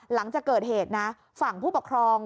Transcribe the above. หลังจากเกิดเหตุนะฝั่งผู้ปกครอง